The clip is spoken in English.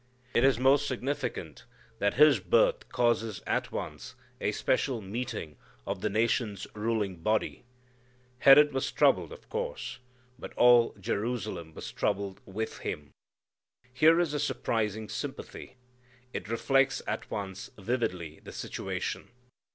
It is most significant that His birth causes at once a special meeting of the nation's ruling body. Herod was troubled, of course. But all Jerusalem was troubled with him. Here is a surprising sympathy. It reflects at once vividly the situation.